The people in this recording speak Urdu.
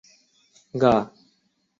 گا